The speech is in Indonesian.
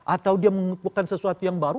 atau dia mengumpulkan sesuatu yang baru